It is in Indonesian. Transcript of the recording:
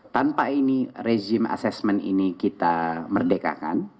tanpa ini rezim assessment ini kita merdekakan